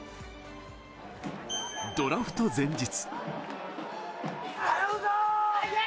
ドラフト前日。